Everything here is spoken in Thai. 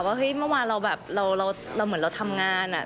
ว่าเฮ้ยเมื่อวานเราเหมือนเราทำงาน